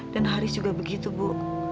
dan haris juga begitu bu